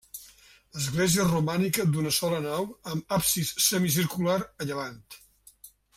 Església romànica d'una sola nau amb absis semicircular a llevant.